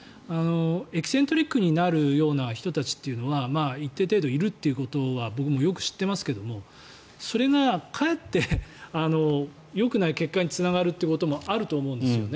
エキセントリックになるような人たちというのは一定程度いるということは僕もよく知っていますがそれがかえってよくない結果につながることもあると思うんですよね。